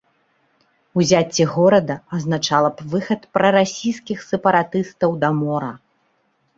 Узяцце горада азначала б выхад прарасійскіх сепаратыстаў да мора.